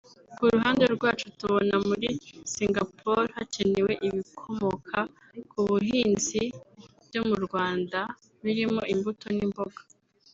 Ku ruhande rwacu tubona muri Singapore hakenewe ibikomoka ku buhinzi byo mu Rwanda birimo imbuto n’imboga